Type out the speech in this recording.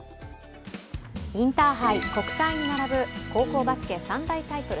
インターハイ、国体に並ぶ高校バスケ三大タイトル